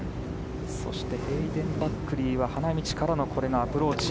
そしてヘイデン・バックリーは花道からのアプローチ。